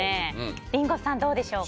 リンゴさん、どうでしょうか。